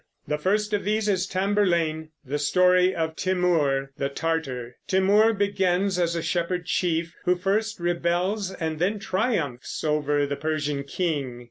The first of these is Tamburlaine, the story of Timur the Tartar. Timur begins as a shepherd chief, who first rebels and then triumphs over the Persian king.